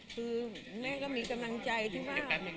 คือแม่ก็มีกำลังใจที่ว่า